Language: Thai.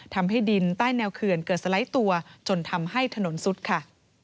ทำให้ดินใต้แนวเขื่อนเกิดสไลด์ตัวจนทำให้ถนนซุดค่ะ